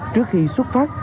trước khi xuất phát